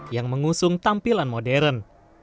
yang mengusung tampilan modern